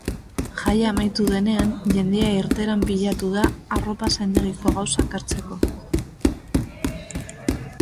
Jaia amaitu denean, jendea irteeran pilatu da arropazaindegiko gauzak hartzeko.